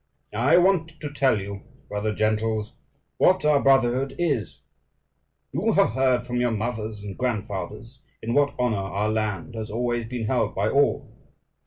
"I want to tell you, brother gentles, what our brotherhood is. You have heard from your fathers and grandfathers in what honour our land has always been held by all.